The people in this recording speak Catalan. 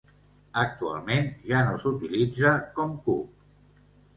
Actualment ja no s'utilitza com cup.